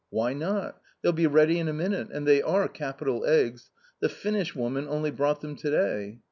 " Why not ? they'll be ready in a minute ; and they are capital eggs; the Finnish woman only brought them to day."